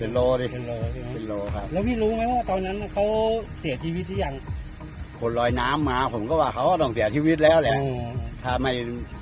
เป็นล้อแล้วพี่รู้ไหมว่าตอนนั้นน่ะเขาเสียชีวิตยัง